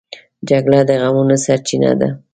جګړه د غمونو سرچینه ده